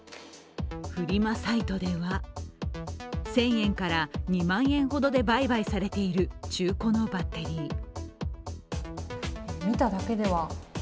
フリマサイトでは１０００円から２万円ほどで売買されている中古のバッテリー。